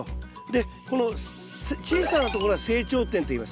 でこの小さなところは成長点といいますね。